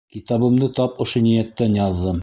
Китабымды тап ошо ниәттән яҙҙым.